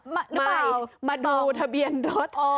ไม่มาดูทะเบียนรถ